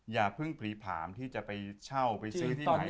อย่าเพิ่งผลีผลามที่จะไปเช่าไปซื้อที่ไหน